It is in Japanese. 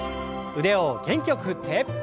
腕を元気よく振って。